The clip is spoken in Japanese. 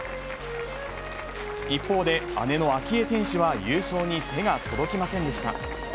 一方で、姉の明愛選手は優勝に手が届きませんでした。